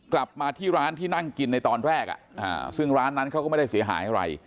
กลับมาที่ร้านที่นั่งกินในตอนแรกซึ่งร้านนั้นเขาก็ไม่ได้เสียหายอะไร